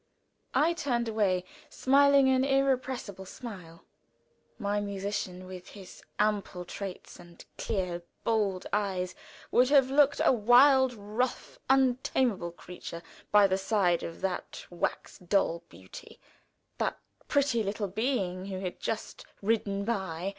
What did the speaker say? I turned away, smiling an irrepressible smile. My musician, with his ample traits and clear, bold eyes, would have looked a wild, rough, untamable creature by the side of that wax doll beauty that pretty little being who had just ridden by.